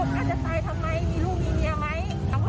สุดท้าย